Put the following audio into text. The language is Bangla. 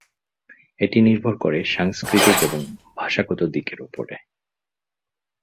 এটি নির্ভর করে সাংস্কৃতিক এবং ভাষাগত দিকের উপর।